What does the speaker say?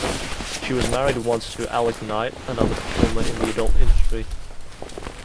She was married once to Alec Knight, another performer in the adult industry.